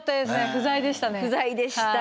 不在でしたね。